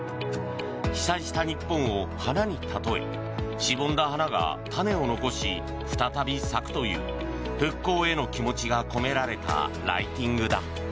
被災した日本を花にたとえしぼんだ花が種を残し再び咲くという復興への気持ちが込められたライティングだ。